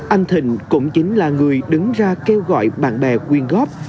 anh thịnh cũng chính là người đứng ra kêu gọi bạn bè quyên góp